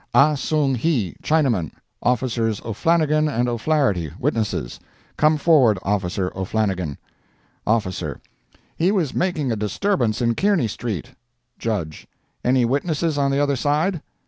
"Ah Song Hi, Chinaman. Officers O'Flannigan and O'Flaherty, witnesses. Come forward, Officer O'Flannigan." OFFICER—"He was making a disturbance in Kearny street." JUDGE—"Any witnesses on the other side?"